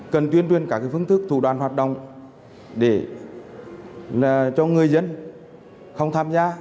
cần tuyên truyền các phương thức thủ đoàn hoạt động để cho người dân không tham gia